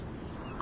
あ。